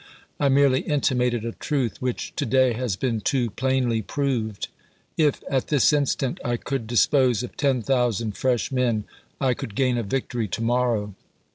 I merely intimated a truth which to day has been too plainly proved. If, at this instant, I could dispose of ten thousand fresh men, I could gain a victory to morrow.